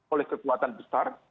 oleh kekuatan besar